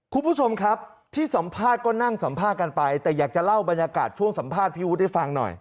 คุณผู้ชมครับที่สัมภาษณ์ก็นั่งสัมภาษณ์กันไปแต่อยากจะเล่าบรรยากาศช่วงสัมภาษณ์พี่วุฒิให้ฟังหน่อย